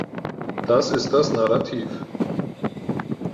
Das ist das Narrativ.